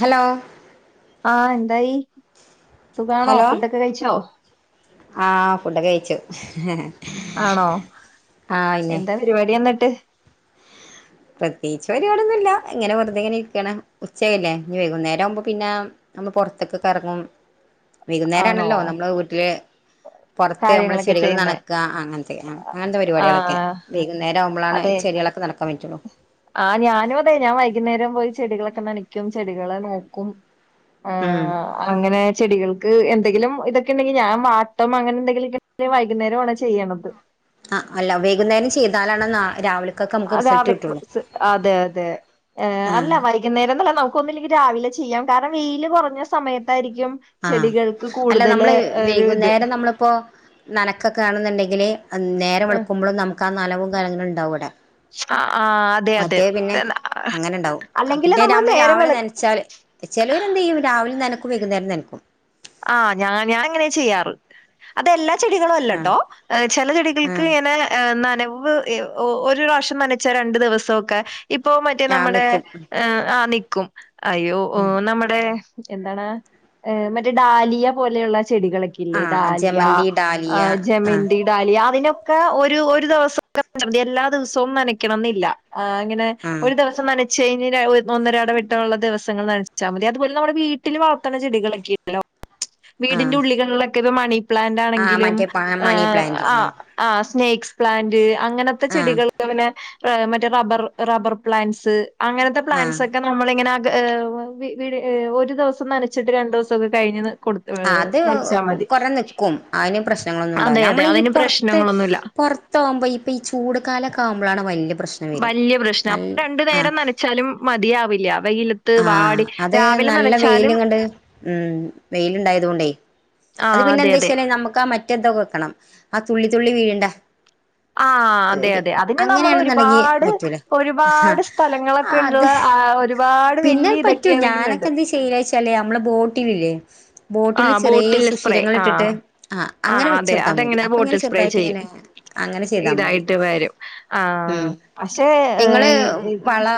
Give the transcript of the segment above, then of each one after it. Hello ആഹ് എന്തായി ഖാണോ ഹലോ ഫുഡൊക്കെ കഴിച്ചോ? ആഹ് ഫുഡ് കഴിച്ചു ആണോ ആഹ് പിന്നെ എന്താ പരിപാടി എന്നിട്ട്? പ്രത്യേകിച്ച് പരിപാടി ഒന്നുല്ല ഇങ്ങനെ വെറുതെ ഇങ്ങനെ ഇരിക്കണ ഉച്ചല്ലേ ഇനി വൈകുന്നേരം ആവുമ്പോ പിന്നെ ഒന്ന് പുറത്തൊക്കെ കറങ്ങും ആണോ വൈകുന്നേരമാണല്ലോ നമ്മള് വീട്ടില് പുറത്ത് നമ്മള് കാര്യങ്ങളൊക്കെ ചൊടികൾ ചെയ്യുന്നേ നനക്കുക അങ്ങനെത്തെ ആ അങ്ങനെത്തെ പരിപാടികളൊക്കെ ആഹ് വൈകുന്നേരംകുമ്പോളാണ് അതെ ചെടികളൊക്കെ നനക്കാൻ പറ്റുള്ളൂ ആ ഞാനും അതെ ഞാൻ വൈകുന്നേരം പോയി ചെടികളൊക്കെ നനക്കും ചെടികളെ നോക്കും ആ ഉം അങ്ങനെ ചെടികൾക്ക് എ എന്തെങ്കിലും ഇതൊക്കെ ഉണ്ടെങ്കിൽഞാൻ വാ- ഇപ്പം അങ്ങനെ എന്തെങ്കില വൈകുന്നേരം ആണ് ചെയ്യ്ണത് ആഹ് അല്ല വൈകുന്നേരം ചെയ്താലാണ നാ രാവിലെക്ക് [unintelligible] അതെ അതെ അല്ല ആഹ് വൈകുന്നേരം എന്നല്ല നമുക്കൊന്നില്ലെ രാവിലെ ചെയ്യാം കാരണം വെയിയില് കുറഞ്ഞ സമയത്തായിരി ആഹ് അല്ല നമ്മള് ഒരു ഇത് വൈകുന്നേരം നമ്മളിപ്പോ നനക്കൊക്കെ ആണുന്നുണ്ടെങ്കില് നേരെം വിളക്കുമ്പോളും നമു ക്കാ നനവും കാര്യങ്ങളും ഉണ്ടാവും അവിടെ ആ മറ്റേ പിന്നെ അങ്ങനെ ഉണ്ടാവും അല്ലെങ്കിൽ പിറ്റെ നമ്മൾ നമ്മള് നേരം രാവിലെ വെളുക്ക നനച്ചാല് ചിലോര് എന്ത് ചെയുംരാവിലിന് നനക്കു വൈകുന്നേരം നനക്കും ആ ഞ ഞാൻ അങ്ങനെ ചെയ്യാറ് അതെല്ലാ ആഹ് ചെടികളുമല്ലട്ടോ ചില ചെടികൾക്ക് ആഹ് ഇങ്ങനെ നന- നവ്ഒരു പ്രാവഷ്യം നനച്ച രണ്ടു ദിവസമൊക്കെ ഇപ്പോ മറ്റേ ആഹ് നമ്മുടെ നിക്കും ആ നി നിക്കും അയ്യോ എ നമ്മുടെ എന്താണ് ഏ മ ഡാലിയ പോലെയുള്ള ചെടികളൊക്കെല്ലേ ആഹ് ഡാലിയ ജമന്തി ഏ ഡാലിയ ആഹ് ജമന്തി ഡാലിയ അതിനെ ഓക്കെ ഒരു ഒരു ദിവസൊക്കെ [unintelligible] മതി എല്ലാ ദിവസോം നനക്കണംന്നില്ല ആ അങ്ങനെ ആഹ് ഒരു ദിവസം നന [unintelligible] ഒന്നരാടെ വിട്ടമുള്ള ദിവസങ്ങൾ നനച്ചാ മതി അതുപോലെ നമ്മുടെ വീട്ടില് വളത്ത്ണ ചെടികളൊക്കെ ഹലോ വീടിൻ്റെ ആഹ് ഉള്ളികളെ കെ മണി ആഹ് പ്ലാൻ്റാണെങ്കിലും മറ്റേ ഏ മണി പ്ലാന്റ് ആ ആഹ് ആ നേക്സ് പ്ലാന്റ് അങ്ങനത്തെ ആഹ് ചെടികൾക്ക് പിന്നെ റെ മറ്റേ റബ്ബർ റബ്ബർ പ്ലാന്റ്സ് അങ്ങനത്ത ആഹ് പ്ലാൻസൊക്കെ നമ്മളിങ്ങനെ ര് വ് വി വീടി ഒരു ദെവസം നനച്ചിട്ട് രണ്ട് സ് തൊക്കെ കഴിഞ്ഞ്ന്ന് അത് കൊറെ നിക്കും അയിന് അതെ പ്രശ്നങ്ങളൊന്നുണ്ടാവൂല്ല അതെ അമ്മള് ഈ അതിന് പൊർത്ത് പ്രശ്നങ്ങളൊന്നുമില്ല പൊറത്താവുമ്പോ ഇപ്പ ഈ ചൂട് കാലൊക്കാവുമ്പളാണ് വല്ല്യ പ്രശ് വല്ല്യ പ്രശ്നം രണ്ടു നേരം നനച്ചാലും മതിയാവില്ല്യാ ആഹ് അതേ നല്ല നനച്ചാലും വെയില്ങ്ങട്ട് ഉം വെയില്ണ്ടായതോണ്ടേ ആ അത് പിന്നെ അതെ അതെ ന്തേച്ചാല് നമ്മക്കാ മറ്റെന്തൊ ക്കണം ആ തുള്ളി തുള്ളി വീഴ്ണ്ടാ ആ അതെ അതെ അതിന് നമ്മളൊരുപാട് പറ്റൂലേ ഒരുപാട് ആ സ്ഥലങ്ങള്ക്ക്ള്ള ആ അത് ഒരുപാ പിന്നെ പറ്റും ഞാനൊക്കെ എന്ത് ചെയ്യ വെച്ചാല് അമ്മള് ബോട്ടി [unintelligible] ആ ബോട്ടില് സ്പ്രേ ആ ആഹ് ആ അങ്ങനെ അതെ വെച്ചൊടുത്താ മതി അതെങ്ങനെ അപ്പൊ ഇങ്ങനെ ബോട്ടിൽ സ്പ്രേ ചെറുതായിട്ട് ചെയ്യും ഇങ്ങനെ അങ്ങനെ ചെയ്താ മതി ഇതായിട്ട് വരും ആഹ് ഉം പഷേ നിങ്ങള് വള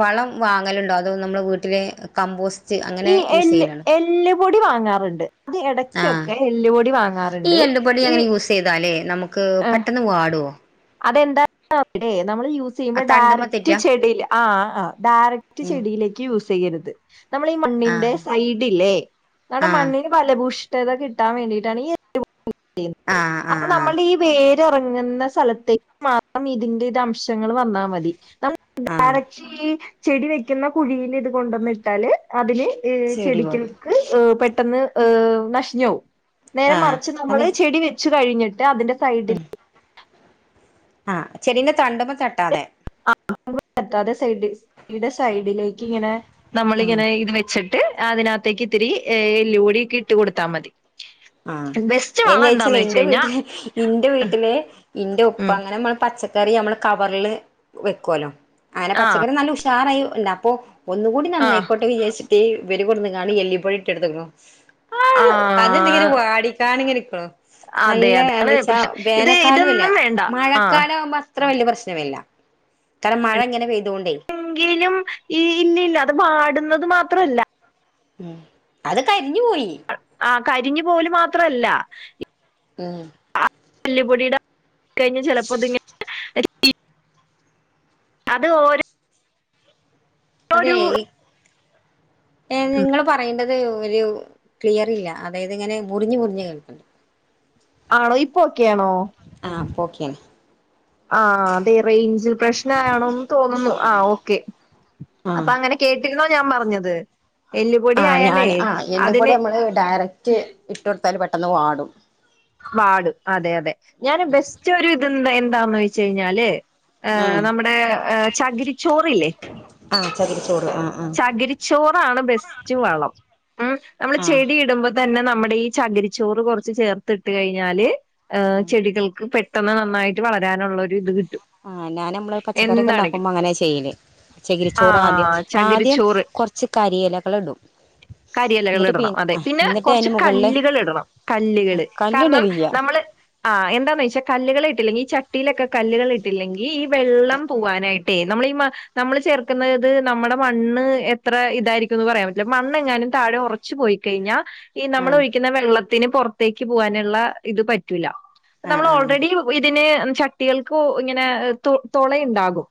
വളം വാങ്ങലുണ്ടോ അതോ നമ്മളെ വീട്ടിലെ കമ്പോസ് ഈ എല്ല് എല്ല്പൊടി വാങ്ങാറ്ണ്ട് അത് ആഹ് എടക്കൊക്കെ എല്ല്പൊടി വാങ്ങ് ഈ എല്ല്പൊടി അങ്ങനെ യൂസെയ്താ അലെ നമു ക്ക് പെട്ടെന്ന് വാട്വോ അതെന്താ [inaudible] വിടെ നമ്മള് ആ യൂസെയ്യുമ്പോ തണ്ടുമ്മ ഡാറക്റ്റ് തെറ്റാ ചെടീല് ആ ആ ഡാറക്റ്റ് ഉം ചെടീലേക്ക് യൂസെയ്യരുത് നമ്മൾ ഈ മണ്ണിന്റെ ആഹ് സൈഡില്ലേ നമ്മ്ടെ ആഹ് മണ്ണിന് ഫലഭൂഷ് ട്ടത് കിട്ടാ വേണ്ടിയിട്ടാണ് ഈ ആഹ് അപ്പ ആഹ് ആഹ് നമ്മള്ടെ ഈ വേ റങ്ങുന്ന സല ഇതിൻ്റതംശങ്ങള് വന്നാ മതി ന [unintelligible] ആഹ് ഡയറക്ഷി ചെടി വെക്കുന്ന കുഴീലിത് കൊണ്ടുവന്നിട്ടാല് അതില് ഈ ചെടി പോലെ ചെടികൾക്ക് പെ പെട്ടെന്ന് ഹ് നശിഞ്ഞു പേവും നേരെ ആഹ് മറിച്ച് അത് നമ്മള് ചെടി വെച്ചു കഴിഞ്ഞിട്ട് അതിന്റെ സൈഡിൽ ആ ചെടീൻ്റെ തണ്ടുമ്പേ തട്ടാതെ ആ നമ്മള് പറ്റാതെ സൈഡ് സൈഡിലേക്ക് ഇങ്ങനെ ആഹ് നമ്മളിങ്ങനെ ഇത് വെച്ച് അതിനകത്തേക്ക് ഇത്തിരി എല്ലുപെടി ഇട്ട് കൊടുത്താ മതി ആ ബെസ്റ്റ് എന്ന് വളം വച്ചാല് എന്താന്ന് വെച്ച് എന്റെ കഴിഞ്ഞാ വീട്ടില് എന്റെ വീട്ടില് ഇന്റെ ഉപ്പ ഉം അങ്ങനെ പച്ച കറി നമ്മൾ കവറിൽ വെക്കുമല്ലോ അങ്ങനെ ആഹ് പച്ചക്കറി നല്ല ഉഷ് ഷാറയി ഉണ്ട അപ്പൊ ഒന്നുകൂടി ആഹ് നന്നായിക്കോട്ടെ വിചാരി ഇവരെ കൊണ്ടെന്ന്കാണ്ട്എല്ല് പൊടി ഇട്ടുകൊടുത്ത്ക്ക്ണ് ആ ത്തിരി വാടികാട് നിക്കണു അതെ നല്ല എന്താ അതാണ് വച്ചാ പ്രശ്നം ഇത് വേനൽക്കാലം അല്ലേ ഇതൊന്നും വേണ്ട ആഹ് മഴക്കാല ആവുമ്പ അത്ര വലിയ പ്രശ്നമില്ല കാരണം മഴ ഇങ്ങനെ പെയ്തുകോണ്ടേയി എങ്കിലും ഈ ഇല്ലില്ല അത് വാടുന്നത് മാത്രല്ല ഉം അത് കരിഞ്ഞു പോയി ആ കരിഞ്ഞു പോലും മാത്രല്ല ഉം എല്ല്പൊടിയുടെ കരിഞ്ഞ് ചിലപ്പോ ഇതങ്ങനെ അത് ഓരോ അതെ ഈ ഏ നിങ്ങള് പറയുന്നത് ഒരു ക്ലിയർ ഇല്ല അതായത് ഇങ്ങനെ മുറിഞ്ഞ് മുറിഞ്ഞ് കേൾക്കണ്ട് ആണോ ഇപ്പ് ആം കെ യാണ് ആ അതെ റേഞ്ച് പ്രശ്നം ആണോന്ന് തോന്നുന്നു ആ ഓക്കെ ആഹ് അപ്പൊ അങ്ങനെ കേട്ടിരുന്ന ഞാൻ പറഞ്ഞത് എല്ലുപൊടി ആ ആയാലേ ഞാൻ ആ എല്ലുപൊടി അതിന് നമ്മള് ഡയറക്റ്റ് ഇട്ട് പെട്ടെന്ന് വാടും വാടും അതെ അതെ ഞാൻ ബെസ്റ്റ് ഇത എന്താ എന്താന്ന് വെച്ച് കഴിഞ്ഞാല് ഏ ആഹ് നമ്മുടെ ചകിരിച്ചോറല്ലേ ആഹ് ചകിരിച്ചോറ് ആഹ് ആഹ് ചകിരിച്ചോറാണ് ബെസ്റ്റ് വളം ഉ നമ്മള് ആഹ് ചെടി ഇടുമ്പോൾ തന്നെ നമ്മുടെ ഈ ചകരിച്ചോറ് കുറച്ച് ചേർ ത്തിട്ട കഴിഞ്ഞാല് ആ് ആഹ് ചെടികൾക്ക് പെ പെട്ടെന്ന് നന്നായിട്ട് വളരാനുള്ളൊ ഒരു ഇത് കിട്ട ആ ഞാൻ നമ്മള് പച്ചക്കറൊക്കെ ഉണ്ടാക്കുമ്പോ അങ്ങനെ ചെയ്യല് പച്ചകിരിച്ചോറ് ആദ്യം ആഹ് ആദ്യം ചകിരിച്ചോറ് കൊറച്ച് കരിലകൾ ഇടും കരിയിലകൾ എന്നിട്ട് ഇടണം അതെ പിന്ന പിന്നെ എന്നിട്ട് കുറച്ച് അതിന് മുകളില് കല്ലുകൾ ഇടണം കല്ലുകള് കാരണം കല്ലിടലില്ല നമ്മള് ആ എന്താന്ന് വെച്ചാൽ കല്ലുകളൾ ഇട്ടില്ലെങ്കിൽ ഈ ചട്ട ക്കെ കല്ലുകൾ ഇട്ടില്ലെങ്കിൽ ഈ ഈ വെള്ളം പോകാനായിട്ട് അേ നമ്മൾ ഈ നമ്മള് ചേർക്കുന്നത്ത് നമ്മുടെ മണ്ണ് എത്ര ഇതായിരിക്കുംന്ന് പറയാൻ പറ്റില്ല മണ്ണ എങ്ങാനും താഴെ ഉറച്ച്പോയിക്കഴിഞ്ഞാൽ ഈ നമ്മൾ ആഹ് ഒഴിക്കുന്ന വെള്ളത്തി ന് പുറത്തേ പോകാനുള്ള ഇത് പറ്റൂല ആഹ് നമ്മൾ ആഹ് ഓൾറെഡി ഇതിനന് ചട്ടികൾക്ക ഇങ്ങനെ തുള ഉണ്ടാകും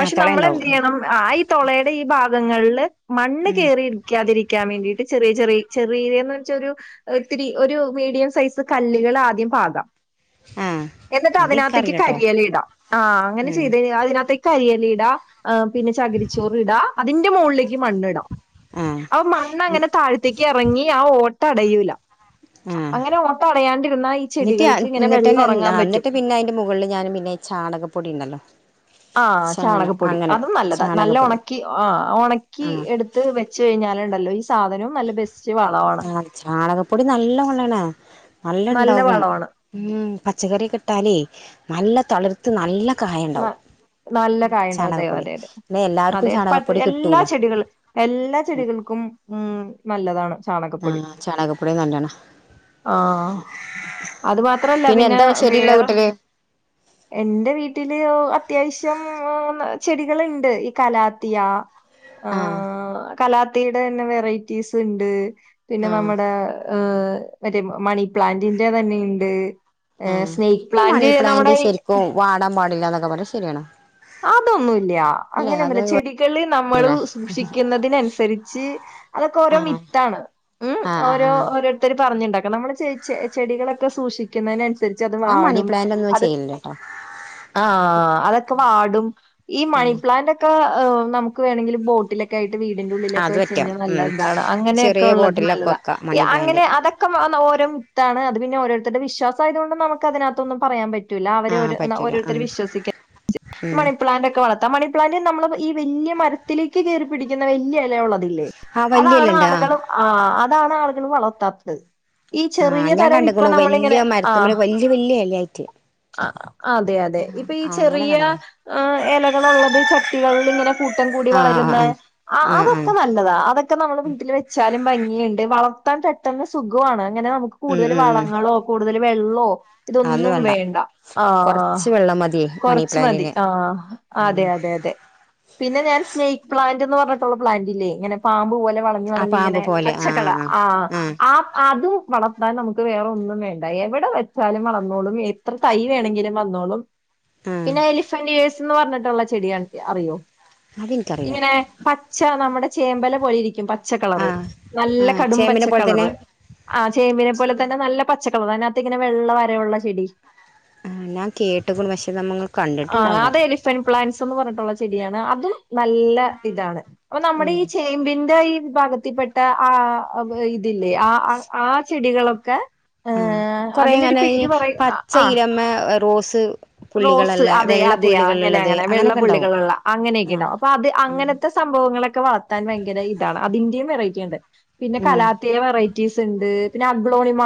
ആഹ് തുള നമ്മൾ എന്ത് ഉണ്ടാവും ചെയ്യണം ആ ഈ തുളയുടെ ഈ ഭാഗ ങ്ങളില് മണ്ണ് ക ഉം കേറി ഇടിക്കാതിരിക്കും വചെറിയ ചെറ ചെറിയീന്ന്െച്ചത്തി മീഡിയം സൈസ് കല്ലുകൾ ആദ്യം പാകാം ആഹ് എന്നിട്ട് അതിനകത്തേക്ക് അതെനിക്കറിയില്ലട്ടോ കരിയല ഇടാം ആഹ് അങ്ങനെ ഉം ചെയ്ത അതിനകത്തേക്ക് കരിയല്ലീടാ ആ് പിന്നെ ചകിരിച്ചോറ് ഇടാ അതിന്റെ മുകളിലേക്ക് മണ്ണിടാം ആഹ് അപ്പ മണ്ണ അങ്ങനെ താഴ്ത്തേക്ക് ഇറങ്ങി ആ ഓ തടയൂല ഉം അങ്ങനെ ഓട്ട അടയാണ്ടിരുന്ന ഈ ചെടികൾക്ക് ഇങ്ങനെ വെള്ളം എന്നിട്ട്ന്നെ ഉറങ്ങാൻ പറ്റും എന്നിട്ട് പിന്നെ അതിന്റെ മുകളിൽ ഞാൻ പിന്നെ ചാണകപ്പൊടി ഉണ്ടല്ലോ ആഹ ചാണ ചാണകപ്പൊടി അങ്ങനെ അതും നല്ലതാ നല്ല ചാണകപ്പൊടി ഉണക്കി ആ് ഉണക്കി ആഹ് എടുത്ത് വെച്ച കഴിഞ്ഞാലുണ്ടല്ലോ സാധനവും നല്ല ബേസ് ആ ചാണകപ്പൊടി നല്ല ഉള്ളണെ നല്ല ഉണ്ടാകും ഉ പച്ചക്കറി കെട്ടാലേ നല്ല തളിർത്ത് നല്ല കായ ഉണ്ടാവും നല്ല കായുണ്ടാവും അതെയോ ചാണകപ്പൊടി അതെ പിന്നെ എല്ലാവർക്കും അതെ അതെ ചാണകപ്പൊടി എല്ലാ കിട്ടൂല ചെടികൾ എല്ലാ ചെടികൾക്കും ഉം നല്ലതാണ്. ചാണകപ്പൊടി ആഹ് ചാണകപ്പൊടി നല്ലോണം ആ അത് മാത്രല്ല പിന്നെ എന്താ ചെടിയുള്ള വേറെ വീട്ടില് എന്റെ വീ അത്യാവശ്യം ചെടികൾണ്ട് ഈ കലാത്തിയ ആഹ് കലാത്തിയുടെ തന്നെ വെറൈറ്റീസ് ഇണ്ട്. പിന്നെ ആഹ് നമ്മുടെ ഹ് മറ്റേ മണിപ്ലാന്റിന്റെ തന്നെയുണ്ട്. ആ ഈ മണി പ്ലാന്റ് ശരിക്കും വാടാൻ പാടില്ല. അ പറലരെ ശരിയാണോ അതൊന്നുല്യ അല്ലെ അങ്ങനെൊന്നുല്ല അത് ചെടികള് നമ്മള് അല്ലെ സൂക്ഷിക്കുന്നതിനനുസരിച്ച് അതൊക്കെ ഓരോ ആഹ് മിത്താണ് ഉ ആഹ് ആഹ് ഓരോ ആഹ് ഓരോരുത്തർ പറഞ്ഞുണ്ടാ നമ്മള് ചേയിച്ച ചെടികളൊക്കെ സൂക്ഷിക്കുന്നതിനനുസ ൻസരിച്ച് അത് ഞാൻ മണി വാടും പ്ലാന്റ് ഒന്നും അത് ചെയ്യലില്ലട്ടോ ആഹ് വാടും ഈ ഉം മണിപ്ലാന്റ് ഒക്കെ നമുക്ക് വേണെങ്കിൽ ബോട്ടിലൊക്കെയി വീടിന്റെ ഉള്ളിലൊക്കെ അത് വെച്ച് പറ്റും കഴിഞ്ഞാൽ ഉം നല്ല ഇതാണ് അങ്ങനെയൊക്കെ ചെറിയ ഉള്ളത് ബോട്ടിലൊക്കെ നല്ലതാ വെക്കാം മണി പ്ലാന്റ് അങ്ങനെ അതൊക്കെ നോൽ ത്താണ് അത് പിന്നെ ഓരോരുടെ വിശ്വാസ ആതുക കൊണ്ട് നമുക്ക് അതിനകത്തൊന്ന പറയാൻ പറ്റു റ്റൂല അവരെ ആഹ് പറ്റൂല ഓരോരുത്തർ ഉം വിശ്വസിക്കാൻ. ഉം മണിപ്ലാന്റ് ഒക്കെ വള അത്ത മണി പ്ലാന്റ് നമ്മള് ഈ വലിയ മരത്തിലേക്ക് കയറിപിടിക്കുന്ന വലിയ ഇല ഉള്ള. ആഹ് അതാണ് വല്യയിലണ്ട് ആഹ് ആളുകള ആഹ് അതാണ് ആളുകൾ വളർത്താത്തത് ഈ ആഹ് ചെറിയ ഞാൻ തരം ഇപ്പൊ കണ്ട്ക്ക്ണു നമ്മളിങ്ങനെ വല്യ ആ മരത്തുമ്മല് വല്യ വല്യ ഇലയായിട്ട് അതെ അതെ ഇപ്പൊ ഈ ആഹ് അങ്ങനെ ചെറിയ കണ്ട്ക്ക്ണ് ഇലകളുള്ളത് ചട്ടികളിൽ ഇങ്ങനെ കൂട്ടം കൂടി ആഹ് ആഹ് വളരുന്ന ആഹ് ആഹ് അതൊക്കെ ആഹ് നല്ലതാ അതൊക്കെ നമ്മളെ വീട്ടിൽ വച്ച ന്നാലും ഭംഗിയുണ്ട് വളർത്താൻ പെട്ടെന്ന് സുഖമാണ്. അങ്ങനെ നമുക്ക് ഉം കൂടുതൽ ഉം ഉം വളങ്ങളോ കൂടുതൽ വെള്ളോ ഇതൊന്നും വേണ്ട ആഹ് കൊറച്ച് വെള്ളം മതിയേ മണി കുറച്ച മതി പ്ലാന്റിന് ആ അതെ അതെ അതെ പിന്നെ ഞ സ്നേക്ക പ്ലാന്റ് പറഞ്ഞട്ടുള്ള പലാന്റല്ലേ ഇനെ പാമ്പ പോലെ വളഞ്ഞു ആ വളഞ്ഞ പാമ്പ് ഇങ്ങനെ പോലെ പച്ചക്കള ആഹ് ആഹ് ആ ആഹ് ആ അതും വള അതാ നമുക്ക് വേറെ ഒന്നും വേണ്ട എവിടെ വെച്ചാലും വളന്നോളും എത്ര തൈ വേണമെങ്കിലും വന്നോളും ആഹ് പിന്നെ എലിഫന്റ് ഇയർസ് ന്ന് പറഞ്ഞിട്ടുള്ള ചെടിയാനെങ്കി അറിയോ അതെനിക്കറിയില്ല ഇങ്ങനെ പ ച്ച നമ്മുടെ ചേമ്പല പോലെ ഇരിക്കും പ പച്ച കളറ് ആഹ് നല്ല ആഹ് കടും പച്ച ചേമ്പിനെ പോലെ തന്നെ കളറ് ആ ചേമ്പില പോലെ തന്നെ നല്ല പച്ചക്കളറ് അയിനാത്ത് ഇങ്ങനെ വെള്ള വരഒള്ള ചെടി ആഹ് ന കേട്ട്ക്കുണു പക്ഷേ നമ്മങ്ങൾ കണ്ടിട്ടുണ്ടാവൂല്ല ത്ത് പറഞ്ഞിട്ടുള്ള ചെടിയാണ് അതും നല്ല ഇതാണ് അപ്പൊ നമ്മുടെ ഉം ഈ ചേമ്പിന്റെ ഈ വിഭാഗത്തിൽപ്പെട്ട ആ [unintelligible] ഇതില്ലേ അ അ ആ ചെടികളൊ ക്ക ആഹ് കൊറെ ഇങ്ങനെ ഈ പച്ച ആഹ് ഇലമേ റോ റോസ് അതെ അതെയാ അങ്ങനെ പുള്ളികളുള്ളത് അങ്ങനെ അങ്ങനെയൊക്കെ ഉണ്ടാവും വെള്ളപ്പുള്ളികള്ഒള്ളെ അങ്ങനെയൊക്കെ ആ ഉണ്ടാവും അപ്പൊ അത് ആ അങ്ങനത്തെ സംഭവങ്ങളൊക്കെ വളർത്താൻ ഭയങ്കര ഇതാണ് അതി [unintelligible] വെറൈറ്റി ഉണ്ട് പിന്നെ ഉം കലാത്തി വെറൈ റ്റീസ്‌ ഇണ്ട് പിന്നെ അഗ്ലോണിമ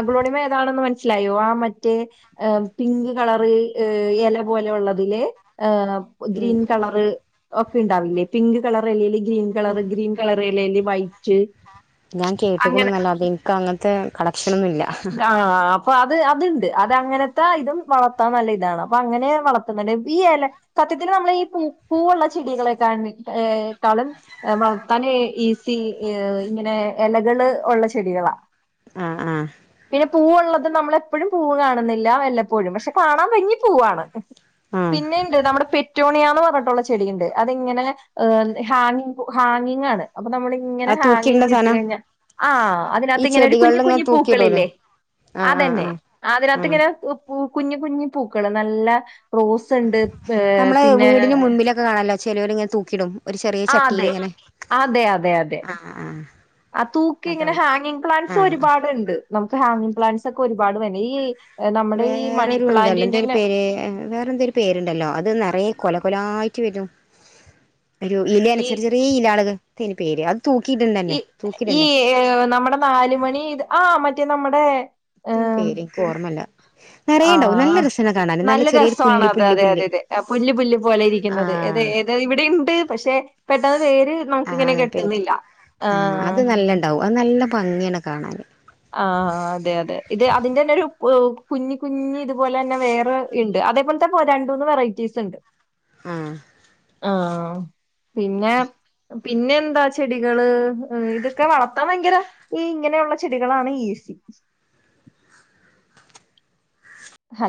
അഗ്ലോണിമ ഏതാണെന്ന് മനസ്സിലായോ ആ മറ്റേ പിങ്ക് കളറ് ഇല പോലെ ഉള്ളതില് ഇഹ് ഗ്രീൻ കളറ് ഒക്കെ ഉണ്ടാവില്ലേ പിങ്ക് കളർ അല്ലേല് ഗ്രീൻ കളർ ഗ്രീൻ കളർ ഇലേൽ വയിറ്റ് ഞാൻ കേട്ടിക്കുണുന്നല്ലാതെ എനിക്ക് അങ്ങനത്തെ കളക്ഷനൊന്നു ഇല്ല അതങ്ങനെ ഇതും വളർത്താൻ നല്ല ഇതാണ് അപ്പൊ അങ്ങനെ വളർത്ത്ന്നത് ഈ ഇല സത്യത്തില് നമ്മള് ഈ പൂ പൂവൂള്ള ചെടികളെ [unintelligible] ക്കാളും വളർത്താൻ ഈസി ഇങ്ങനെ ഇലകള് ഉള്ള ചെടികളാ ആഹ് ആഹ് പൂവ് ഉള്ളത് നമ്മള് എപ്പോഴും പൂവ് കാണുന്നി ല്ലാ വല്ലപ്പോഴും പക്ഷെ കാണാൻ ഭംഗി പൂവാണ് ആ പിന്നെണ്ട് നമ്മുടെ പെ റ്റോണിയാന്ന് പറഞ്ഞിട്ടുള്ള ചെടിയുണ്ട് അതിങ്ങനെ ഹാങ്ങിഗ് പൂ ഹാങ്ങിങ് ആണ് അപ്പൊ നമ്മളിങ്ങനെ അത് ഹാങ് തൂക്കിയിടണ്ട ചെയ്തി ഇട്ട് സാധനം കഴിഞ്ഞാൽ ആ ഈ അതിനകത്ത് ഇങ്ങനെ ഒരു ചെടികളിൽ കുഞ്ഞി ഇങ്ങനെ കുഞ്ഞി തൂക്കിയിടൂലേ പൂക്കളില്ലേ ആ ആ ആ അതന്നെ അതിന ആ ട്ടിങ്ങനെ ഉ പൂ കുഞ്ഞു കുഞ്ഞു പൂക്കള് നല്ല റോസ് ഉണ്ട് ഏഹ് നമ്മളെ പിന്നെ വീടിന് മുൻപിലൊക്കെ കാണാല്ലോ ചിലവർ ഇങ്ങനെ തൂക്കിടും ഒരു ചെറിയ ആ ചട്ടിൽ അതെ ഇങ്ങനെ അതെ അതെ അതെ ആ ആ ആ തൂക്കി ഇങ്ങനെ അതാവും ഹാങ്ങിങ് പ്ലാൻറ്സ് ആ ആ ഒരുപാടുണ്ട് നമുക്ക് ഹാഗിംഗ് പ്ലാൻസ് ഒക്കെപാട് വന്നെ ഈ ഏഹ് നമ്മുടെ ഈ മണി വേറെയൊരു എന്താലോ എന്തെും പ്ലാന്റിന്റെന്നെ പേര് വേറെ എന്തൊരു പേരുണ്ടല്ലോ അത് നിറയ കൊല കൊലായിട്ട് വരും ഒരു ഇല ഈ അനുസരിച്ച് ചെറിയ ഇലാണിത് ത്തേന് പേര് അ ഈ ഈ നമ്മുടെ നാലു മണി ഇത് ആ മറ്റേ നമ്മുടെ ത്തിൻ ഏഹ് പേര് എനിക്ക് ഓർമ്മല്ല നിറയേണ്ടാവും നല്ല ആഹ് രസാണ് കാണാന് നല്ല ചെറിയൊരു പുല്ല് രസാണത് പുല്ല് അതെ പുല്ല് അതെ അതെ പുല്ല് പുല്ല് പോലെ ഇരിക്കുന്നത് അത ആഹ് ഏത ഇവിടെ ഉണ്ട് പക്ഷെ പെട്ടെന്ന് പേര് നമുക്ക് ഇങ്ങനെ ആഹ് പേര് കെട്ടുന്നില്ല ആ ആഹ് അത് നല്ലണ്ടാവും അത് നല്ല ഭംഗിയാണ് കാണാൻ ആഹ് അ അതെ അതെ ഇത് അതിന്റെ തന്നെ ഒരു കുഞ്ഞി കുഞ്ഞി ഇതുപോലെ തന്നെ വേറെ ഉണ്ട് അതേപോലത്തെ രണ്ട മൂന്ന് വെറൈറ്റീസ്ണ്ട് ആഹ് ആഹ് പിന്നെ പിന്നെ എന്താ ചെടികള് ഇതൊക്കെ വളർത്താൻ ഭയങ്കര ഈ ഇങ്ങനെയുള്ള ചെടികളാണ് ഈസി അല്ല